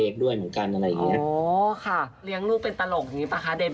จากโปรด